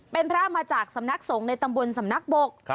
เป็นพระมาจากสำนักสงฆ์ในตำบลสำนักบก